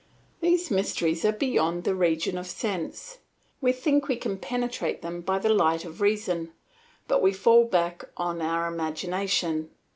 These mysteries are beyond the region of sense, we think we can penetrate them by the light of reason, but we fall back on our imagination.